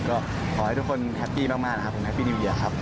ก็ขอให้ทุกคนแฮปปี้มากนะครับผมแฮปปี้นิวเดียครับ